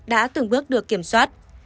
đã từng bước được kiểm soát